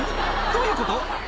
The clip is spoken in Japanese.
どういうこと？」